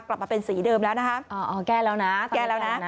กลับมาเป็นสีเดิมแล้วนะคะ